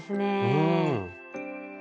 うん。